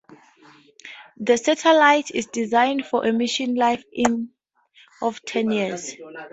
The satellite is designed for a mission life in of ten years.